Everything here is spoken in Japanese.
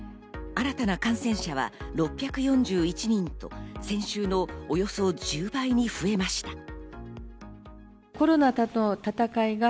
新たな感染者は６４１人と先週のおよそ１０倍に増えました。